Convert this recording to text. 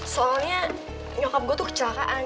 soalnya nyokap gue tuh kecelakaan